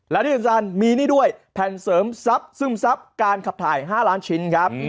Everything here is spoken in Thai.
และที่สำคัญมีนี่ด้วยแผ่นเสริมทรัพย์ซึมซับการขับถ่าย๕ล้านชิ้นครับ